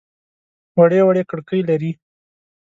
وړې وړې کړکۍ لري.